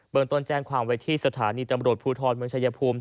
ต้นแจ้งความไว้ที่สถานีตำรวจภูทรเมืองชายภูมิ